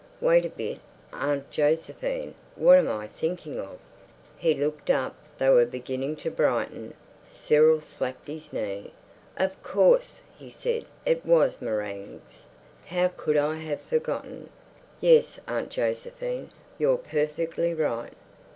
"Wait a bit, Aunt Josephine. What am I thinking of?" He looked up. They were beginning to brighten. Cyril slapped his knee. "Of course," he said, "it was meringues. How could I have forgotten? Yes, Aunt Josephine, you're perfectly right.